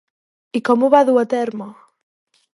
I com ho va dur a terme?